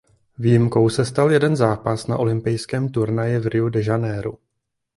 Výjimkou se stal jeden zápas na olympijském turnaji v Riu de Janeiru.